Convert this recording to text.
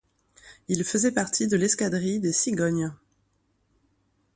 Il faisait partie de l'escadrille des Cigognes.